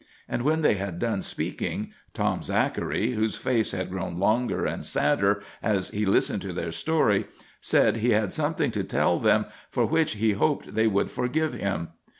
And when they had done speaking, Tom Zachary, whose face had grown longer and sadder as he listened to their story, said he had something to tell them for which he hoped they would forgive him.